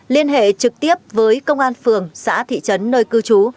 liên hệ trực tiếp với công an phường xã thị trấn nơi cư trú